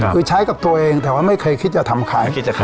คือใช้กับตัวเองแต่ไม่เคยคิดจะทำขาย